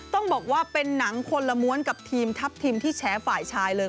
ต้องบอกว่าเป็นหนังคนละม้วนกับทีมทัพทิมที่แชร์ฝ่ายชายเลย